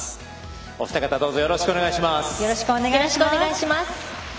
お二方どうぞよろしくお願いいたします。